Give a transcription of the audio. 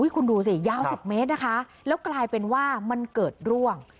คุณดูสิยาว๑๐เมตรนะคะแล้วกลายเป็นว่ามันเกิดร่วง